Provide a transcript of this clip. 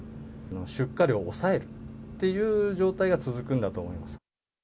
出荷量を抑えるっていう状態が続くんだと思います。